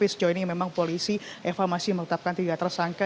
sejauh ini memang polisi eva masih menetapkan tiga tersangka